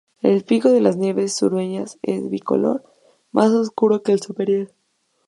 El pico de las aves sureñas es bicolor, más oscuro el superior.